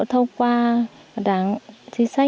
thông qua đảng chính sách